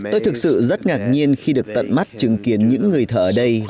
tôi thực sự rất ngạc nhiên khi được tận mắt chứng kiến những người thợ ở đây